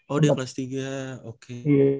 oh dia kelas tiga oke